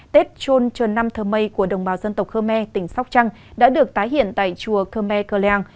tết trôn trần năm thơ mây của đồng bào dân tộc khơ me tỉnh sóc trăng đã được tái hiện tại chùa khơ me cờ leàng